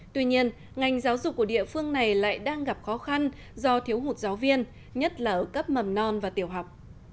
tuy nhiên ngành giáo dục của địa phương này lại đang gặp khó khăn do thiếu hụt giáo viên nhất là ở cấp mầm non và tiểu học